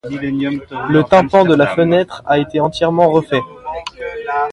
Le tympan de la fenêtre a été entièrement refait.